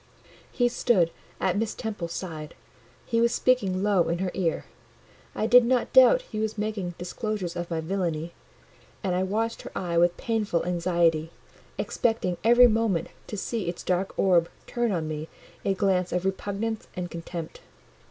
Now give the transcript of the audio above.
He stood at Miss Temple's side; he was speaking low in her ear: I did not doubt he was making disclosures of my villainy; and I watched her eye with painful anxiety, expecting every moment to see its dark orb turn on me a glance of repugnance and contempt.